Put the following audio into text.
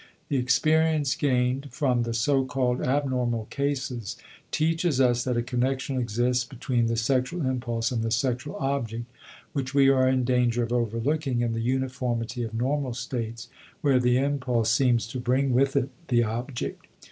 The experience gained from the so called abnormal cases teaches us that a connection exists between the sexual impulse and the sexual object which we are in danger of overlooking in the uniformity of normal states where the impulse seems to bring with it the object.